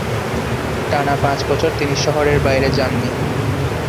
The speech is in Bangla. টানা পাঁচ বছর তিনি শহরের বাইরে যাননি।